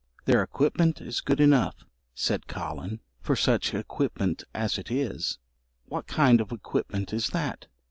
"Their equipment is good enough," said Collen, "for such equipment as it is." "What kind of equipment is that?"